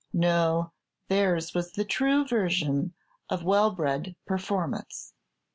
No, theirs was the true version of well bred "performance."